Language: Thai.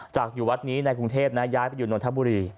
จากอยู่วัดนี้ในกรุงเทพนะย้ายไปอยู่นนทบุรี